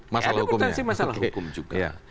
masalah hukumnya ada potensi masalah hukum juga